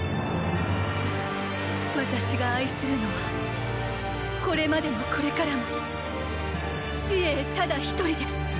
私が愛するのはこれまでもこれからも紫詠ただ一人です。